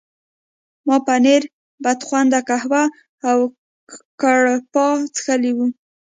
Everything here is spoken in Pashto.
ما پنیر، بدخونده قهوه او ګراپا څښلي وو.